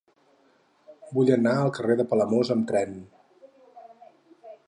Vull anar al carrer de Palamós amb tren.